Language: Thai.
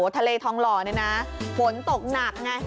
ทะเลทองหล่อนี่นะฝนตกหนักไง